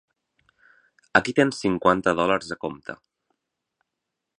Aquí tens cinquanta dòlars a compte.